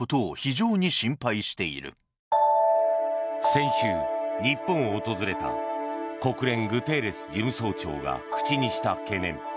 先週、日本を訪れた国連、グテーレス事務総長が口にした懸念。